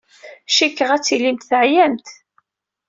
Cikkeɣ ad tilimt teɛyamt.